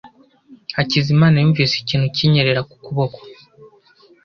Hakizimana yumvise ikintu kinyerera ku kuboko.